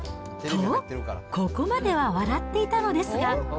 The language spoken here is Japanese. と、ここまでは笑っていたのですが。